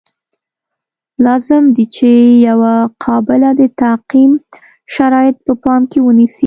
لازم دي چې یوه قابله د تعقیم شرایط په پام کې ونیسي.